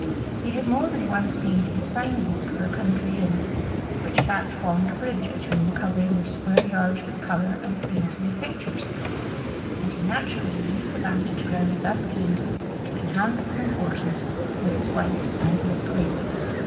He had more than once painted a sign board for a country inn, which fact formed a bridge between the covering of square yards with color and the painting of pictures; and he naturally used the vantage ground thus gained to enhance his importance with his wife and Miss Clare.